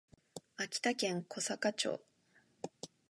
秋田県小坂町